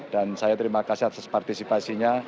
dan saya terima kasih atas partisipasinya